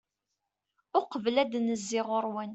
uqbel ad n-zziɣ ɣur-wen